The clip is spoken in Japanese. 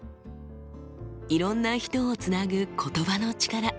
いろんな人をつなぐ言葉の力。